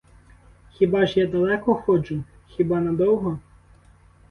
Хіба ж я далеко ходжу, хіба надовго?